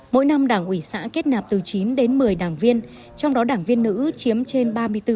mỗi năm đảng ủy xã kết nạp từ chín đến một mươi đảng viên trong đó đảng viên nữ chiếm trên ba mươi bốn